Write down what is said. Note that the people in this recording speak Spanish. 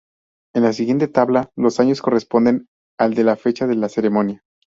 En la siguiente tabla, los años corresponden al de la fecha de la ceremonia.